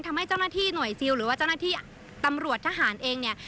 ทำให้เจ้าหน้าที่หน่วยซิลหรือว่าเจ้าหน้าที่ตำรวจทหารเองเนี่ย